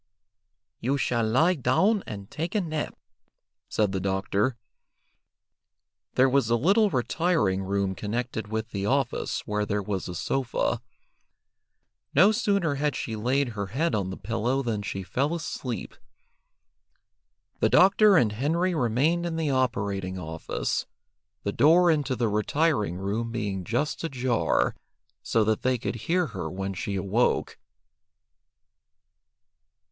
"You shall lie down and take a nap," said the doctor. There was a little retiring room connected with the office where there was a sofa. No sooner had she laid her head on the pillow than she fell asleep. The doctor and Henry remained in the operating office, the door into the retiring room being just ajar, so that they could hear her when she awoke.